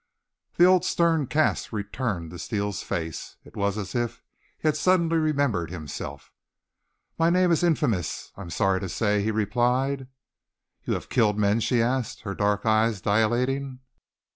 The old stern cast returned to Steele's face. It was as if he had suddenly remembered himself. "My name is infamous, I am sorry to say," he replied. "You have killed men?" she asked, her dark eyes dilating.